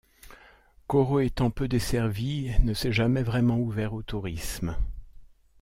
Koro étant peu desservie ne s'est jamais vraiment ouvert au tourisme.